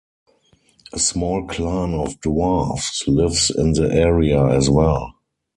A small clan of dwarves lives in the area as well.